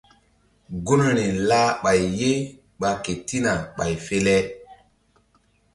Gunri lah ɓay ye ɓa ketina ɓay fe le.